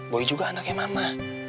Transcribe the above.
boy juga anaknya mama